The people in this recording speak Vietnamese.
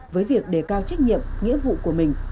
với việc đề cao trách nhiệm nghĩa vụ của mình